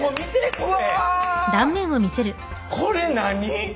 これ何？